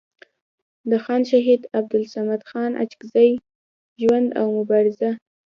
د خان شهید عبدالصمد خان اڅکزي ژوند او مبارزه